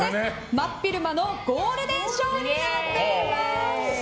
真っ昼間のゴールデンショーになっています！